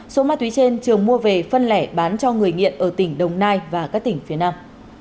số ma túy trên trường mua về phân lẻ bán cho người nghiện ở tỉnh đồng nai và các tỉnh phía nam